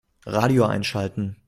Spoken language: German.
Radio einschalten.